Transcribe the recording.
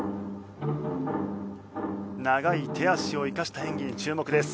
長い手足を生かした演技に注目です。